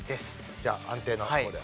じゃあ安定の方で。